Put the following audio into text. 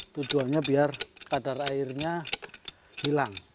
tujuannya biar kadar airnya hilang